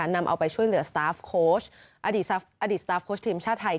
นำเอาไปช่วยเหลือสตาฟโค้ชอดีตสตาร์ฟโค้ชทีมชาติไทย